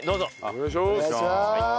お願いします。